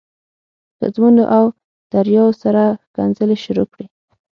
ښځمنو له دریاو سره ښکنځلې شروع کړې.